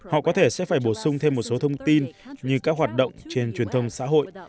họ có thể sẽ phải bổ sung thêm một số thông tin như các hoạt động trên truyền thông xã hội